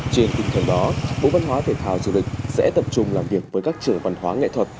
trên tinh thần đó bộ văn hóa thể thao du lịch sẽ tập trung làm việc với các trường văn hóa nghệ thuật